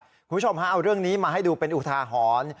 คุณผู้ชมฮะเอาเรื่องนี้มาให้ดูเป็นอุทาหรณ์